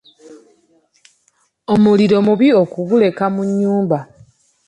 Omuliro mubi okuguleka mu nnyumba.